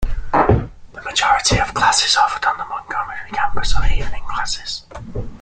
The majority of the classes offered on the Montgomery campus are evening classes.